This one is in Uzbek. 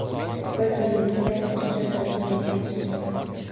Bir dengizda ikkita to‘lqin yasharkan